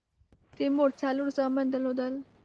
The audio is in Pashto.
تیمور څلور زامن درلودل.